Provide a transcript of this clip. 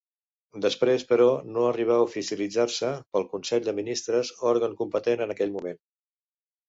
Després però, no arribà a oficialitzar-se pel Consell de Ministres, òrgan competent en aquell moment.